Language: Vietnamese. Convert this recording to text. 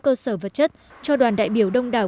cơ sở vật chất cho đoàn đại biểu đông đảo